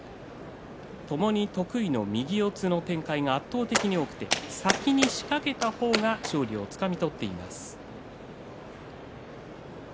ともに得意の右四つの展開が圧倒的に多くて先に仕掛けた方が勝利をつかみ取っています。